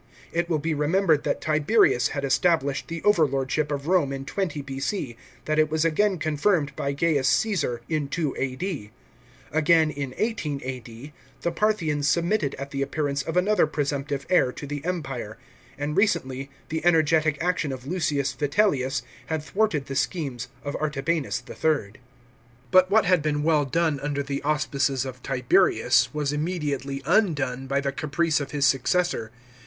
It will be remembered that Tiberius had established the overlord ship of Rome in 20 B.C., that it was again confirmed by Gaius Csesar in 2 A.D. Again, in 18 A.D., the Parthians submitted at the appearance of another presumptive heir to the Empire ; and recently, the energetic action of Lucius Vitellius had thwarted the schemes of Artabanus III. § 2. But what had been well done under the auspices of Tiberius, was immediately undone by the caprice of his successor.